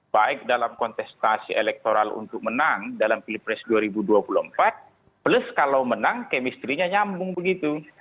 baik dalam kontestasi elektoral untuk menang dalam pilpres dua ribu dua puluh empat plus kalau menang kemistrinya nyambung begitu